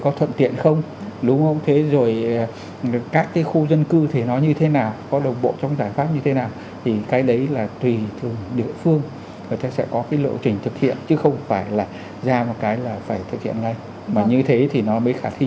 nó thuận tiện không đúng không thế rồi các cái khu dân cư thì nó như thế nào có đồng bộ trong giải pháp như thế nào thì cái đấy là tùy thuộc địa phương người ta sẽ có cái lộ trình thực hiện chứ không phải là ra một cái là phải thực hiện ngay mà như thế thì nó mới khả thi